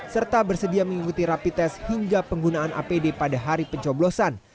serta bersedia mengikuti rapi tes hingga penggunaan apd pada hari pencoblosan